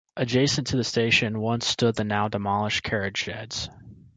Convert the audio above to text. Adjacent to the station once stood the now demolished carriage sheds.